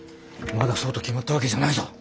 まだそうと決まったわけじゃないぞ。